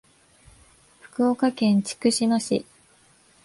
福岡県筑紫野市